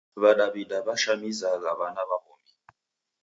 W'adaw'ida w'ashamizagha w'ana w'a w'omi.